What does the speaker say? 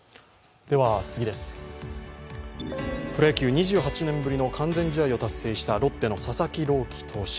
プロ野球２８年ぶりの完全試合を達成したロッテの佐々木朗希投手。